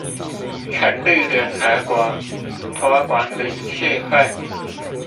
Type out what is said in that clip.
成立聯合國託管理事會